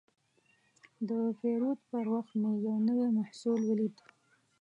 د پیرود پر وخت مې یو نوی محصول ولید.